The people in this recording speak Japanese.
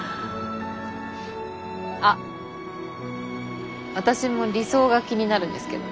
あっ私も理想が気になるんですけど。